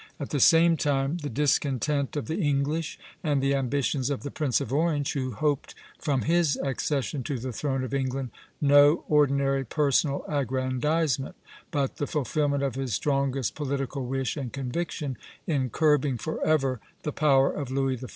At the same time the discontent of the English and the ambitions of the Prince of Orange, who hoped from his accession to the throne of England no ordinary personal aggrandizement, but the fulfilment of his strongest political wish and conviction, in curbing forever the power of Louis XIV.